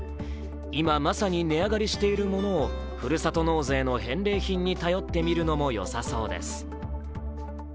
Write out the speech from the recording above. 今まさに値上がりしているものをふるさと納税の返礼品に頼ってみるのもよさそうです。